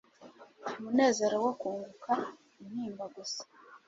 umunezero wo kunguka intimba gusa